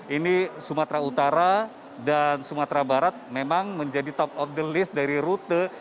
ini sumatera utara dan sumatera barat memang menjadi top of the list dari rute